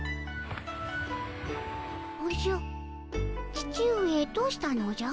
父上どうしたのじゃ？